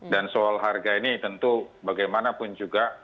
dan soal harga ini tentu bagaimanapun juga